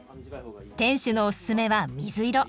店主のおすすめは水色。